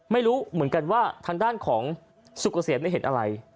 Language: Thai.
ไม่รู้เหมือนกันว่าทางด้านของสุกเกษมไม่เห็นอะไร